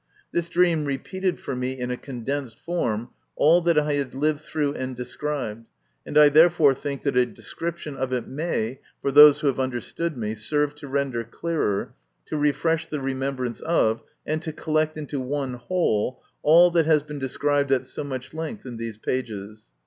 This dream repeated for me in a condensed form all that I had lived through and described, and I therefore think that a description of it may, for those who have understood me, serve to render clearer, to refresh the remembrance of, and to collect into one whole, all that has been described at so much length in these pages.